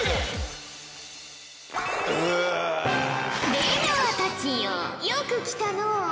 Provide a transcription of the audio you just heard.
出川たちよよく来たのう。